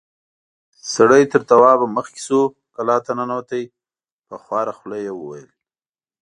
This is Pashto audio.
سړی تر توابه مخکې شو، کلا ته ننوت، په خواره خوله يې وويل: